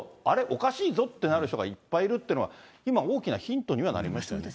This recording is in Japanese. おかしいぞってなる人がいっぱいいるっていうのは、今、大きなヒントにはなりましたよね。